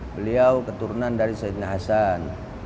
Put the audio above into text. beliau keturunan dari sayyidina hasan